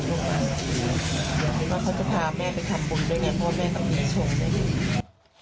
เดี๋ยวคิดว่าเขาจะพาแม่ไปทำบุญด้วยไงเพราะว่าแม่กลับนี้โฉมใจดี